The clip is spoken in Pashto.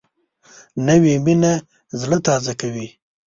نوې مینه زړه تازه کوي